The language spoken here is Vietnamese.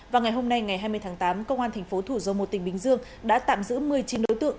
vào ngày hôm nay ngày hai mươi tháng tám công an tp thủ dông một tỉnh bình dương đã tạm giữ một mươi chín đối tượng